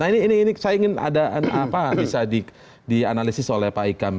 nah ini saya ingin ada apa bisa dianalisis oleh pak ikam